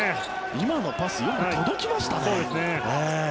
今のパスよく届きましたね。